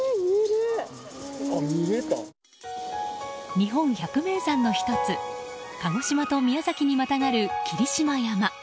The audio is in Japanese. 日本百名産の１つ鹿児島と宮崎にまたがる霧島山。